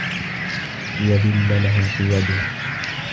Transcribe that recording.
لِيَذِلَّ لَهُ قِيَادُهَا